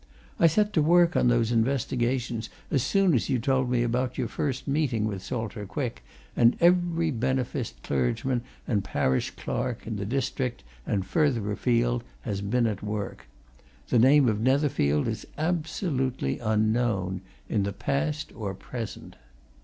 I set to work on those investigations as soon as you told me about your first meeting with Salter Quick, and every beneficed clergyman and parish clerk in the district and further afield has been at work. The name of Netherfield is absolutely unknown in the past or present."